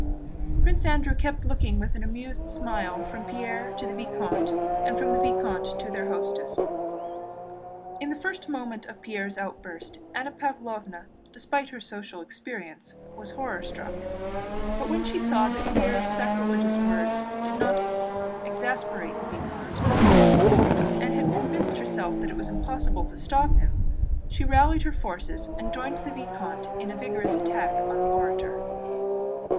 Prince Andrew kept looking with an amused smile from Pierre to the vicomte and from the vicomte to their hostess. In the first moment of Pierre's outburst Anna Pávlovna, despite her social experience, was horror struck. But when she saw that Pierre's sacrilegious words had not exasperated the vicomte, and had convinced herself that it was impossible to stop him, she rallied her forces and joined the vicomte in a vigorous attack on the orator.